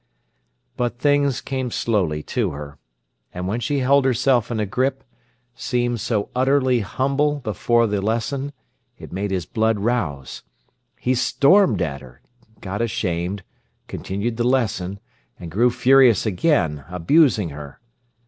But things came slowly to her. And when she held herself in a grip, seemed so utterly humble before the lesson, it made his blood rouse. He stormed at her, got ashamed, continued the lesson, and grew furious again, abusing her.